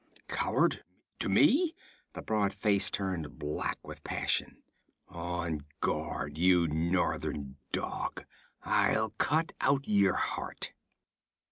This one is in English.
'Coward! To me?' The broad face turned black with passion. 'On guard, you northern dog! I'll cut out your heart!'